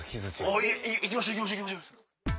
行きましょう行きましょう。